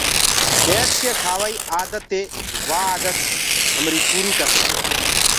ٻيٺ ڪي کآوائي آدتي وآ آدت همريٚ پوريٚ ڪرسآنٚ۔